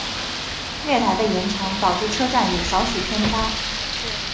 月台的延长导致车站有少许偏差。